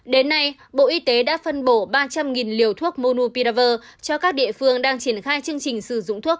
đến nay bộ y tế đã phân bổ ba trăm linh liều thuốc monu piraver cho các địa phương đang triển khai chương trình sử dụng thuốc